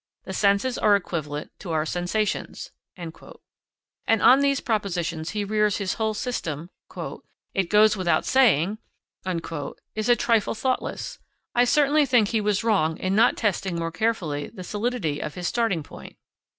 The senses are equivalent to our sensations;" and on those propositions he rears his whole system, "It goes without saying ..." is a trifle thoughtless. I certainly think he was wrong in not testing more carefully the solidity of his starting point.